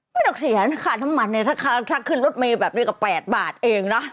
ไม่ต้องเสียข้าวน้ำมันถ้าข้างชักขึ้นรถมีแบบนี้ก็๘บาทเองนะ